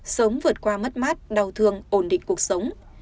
sớm vượt qua mất mát đau thương ổn định cuộc sống